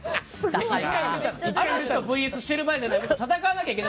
嵐とＶＳしてる場合じゃない。